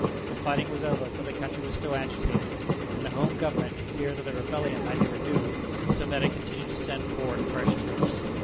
The fighting was over, but the country was still agitated, and the Home Government in fear that the rebellion might be renewed, so that it continued to send forward fresh troops.